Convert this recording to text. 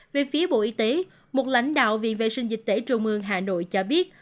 về phía bộ y tế một lãnh đạo viện vệ sinh dịch tễ trung ương hà nội cho biết